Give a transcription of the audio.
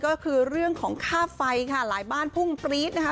ก็คือเรื่องของค่าไฟค่ะหลายบ้านพุ่งปรี๊ดนะคะ